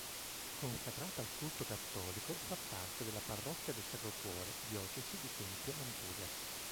Consacrata al culto cattolico, fa parte della parrocchia del Sacro Cuore, diocesi di Tempio-Ampurias.